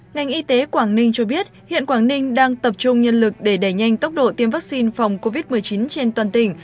ngành y tế quảng ninh cho biết hiện quảng ninh đang tập trung nhân lực để đẩy nhanh tốc độ tiêm vaccine phòng covid một mươi chín trên toàn tỉnh